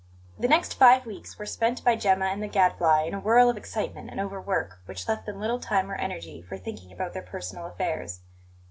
THE next five weeks were spent by Gemma and the Gadfly in a whirl of excitement and overwork which left them little time or energy for thinking about their personal affairs.